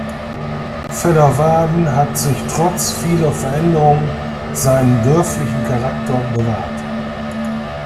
Fedderwarden hat sich trotz vieler Veränderungen seinen dörflichen Charakter bewahrt.